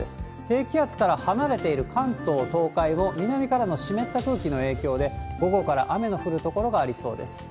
低気圧から離れている関東、東海も、南からの湿った空気の影響で、午後から雨の降る所がありそうです。